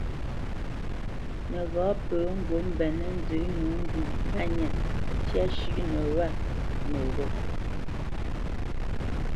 Nəghǎ pə ŋgǔt mbenə́ nzə nǒ ndu hánya ntyá shʉ́ʼnə wâ noghó.